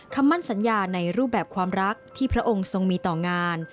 คำมั่นสัญญาในรูปแบบความรักที่พระองค์ทรงมีต่องาน